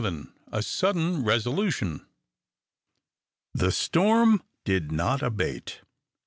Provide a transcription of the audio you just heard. A SUDDEN RESOLUTION. The storm did not abate.